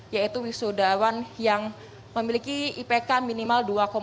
yaitu wisudawan yang memiliki ipk minimal dua lima